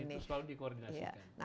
dan itu selalu di koordinasikan